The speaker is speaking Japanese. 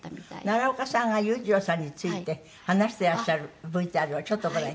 奈良岡さんが裕次郎さんについて話してらっしゃるＶＴＲをちょっとご覧いただき。